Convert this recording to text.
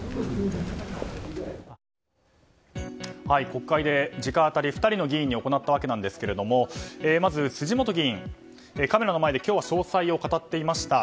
国会で直アタリを２人の議員に行ったわけなんですがまず辻元議員、カメラの前で今日は詳細を語っていました。